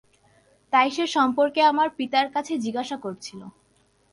তাই সে সম্পর্কে আমার পিতার কাছে জিজ্ঞেস করি।